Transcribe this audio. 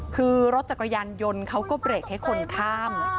คือรถจักรยานยนต์เขาก็เบรกให้คนข้าม